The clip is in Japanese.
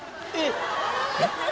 えっ？